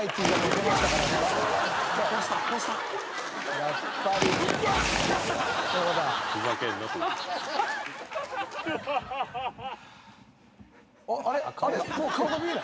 もう顔が見えない」